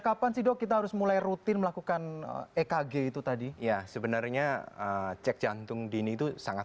kapan sih dok kita harus mulai rutin melakukan ekg itu tadi ya sebenarnya cek jantung dini itu sangat